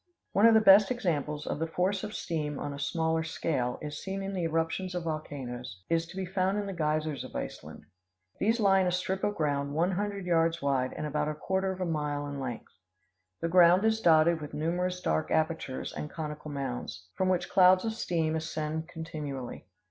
One of the best examples of the force of steam on a smaller scale is seen in the eruptions of volcanoes, is to be found in the geysers of Iceland. These lie in a strip of ground one hundred yards wide and about a quarter of a mile in length. The ground is dotted with numerous dark apertures and conical mounds, from which clouds of steam ascend continually.